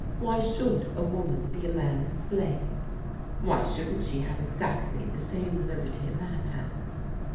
Why should a woman be a man's slave? Why shouldn't she have exactly the same liberty a man has?